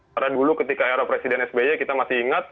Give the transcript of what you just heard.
karena dulu ketika era presiden sby kita masih ingat